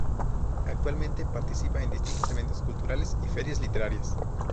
Actualmente participa en distintos eventos culturales y ferias literarias.